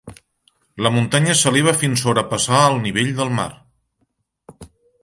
La muntanya s'eleva fins sobrepassar al nivell del mar.